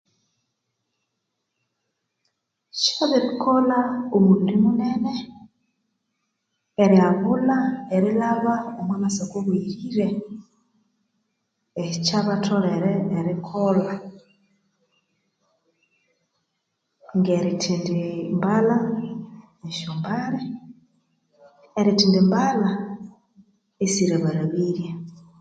Kyabirikola omubiri munene erihabulha erilhaba omumasako abuyirire ekyabatholere erikolha ngerithendimbalha esyombali ngerithendimbalha esirabarabirye